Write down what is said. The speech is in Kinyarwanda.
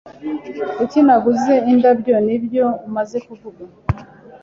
Kuki naguze indabyo? Nibyo umaze kuvuga?